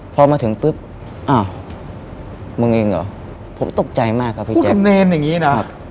พอมาถึงปุ๊บอ้าวมึงเองเหรอผมตกใจมากครับพี่แจ็ค